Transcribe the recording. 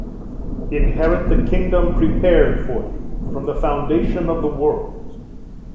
Inherit the kingdom prepared for you from the foundation of the world.